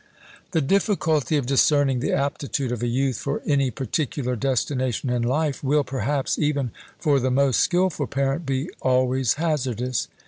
The difficulty of discerning the aptitude of a youth for any particular destination in life will, perhaps, even for the most skilful parent, be always hazardous.